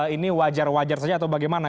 ini wajar wajar saja atau bagaimana